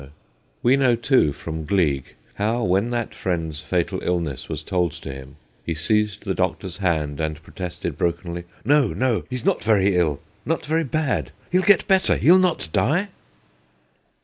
BENEATH THE SURFACE 167 We know, too, from Gleig how, when that friend's fatal illness was told to him, he seized the doctor's hand and protested brokenly, ' No, no ; he 's not very ill, not very bad he 11 get better, he '11 not die.'